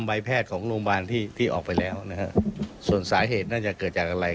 ข้อสังเกตของคุณพ่อผมไม่ทราบว่าเป็นไงนะครับ